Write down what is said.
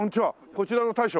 こちらの大将？